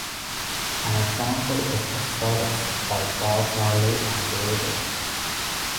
An example is "Exodus" by Bob Marley and the Wailers.